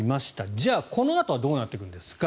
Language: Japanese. じゃあ、このあとはどうなってくるんですか。